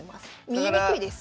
見えにくいです